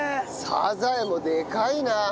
サザエもでかいな！